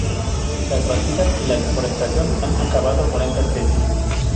Las batidas y la deforestación han acabado con esta especie.